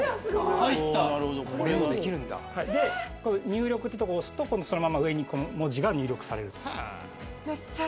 入力という所を押すとそのまま上に文字が入力されると。